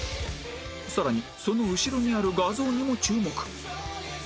さらにその後ろにある画像にも注目